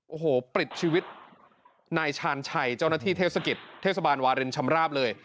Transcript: โอ้โหปลิดชีวิตนายชาญชัยเจ้าหน้าที่เทศกิจเทศบาลวารินชำราบเลย